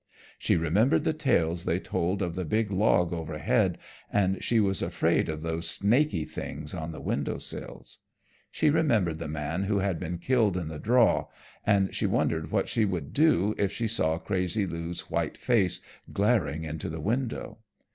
She remembered the tales they told of the big log overhead and she was afraid of those snaky things on the window sills. She remembered the man who had been killed in the draw, and she wondered what she would do if she saw crazy Lou's white face glaring into the window.